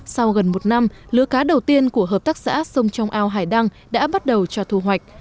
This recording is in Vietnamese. sau gần một năm lứa cá đầu tiên của hợp tác xã sông trong ao hải đăng đã bắt đầu cho thu hoạch